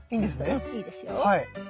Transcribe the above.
うんいいですよ。